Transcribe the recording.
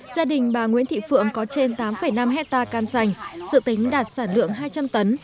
gia đình bà nguyễn thị phượng có trên tám năm hectare cam sành dự tính đạt sản lượng hai trăm linh tấn